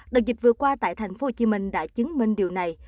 đợt dịch vừa qua tại tp hcm đã chứng minh điều này